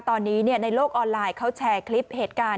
ตอนนี้ในโลกออนไลน์เขาแชร์คลิปเหตุการณ์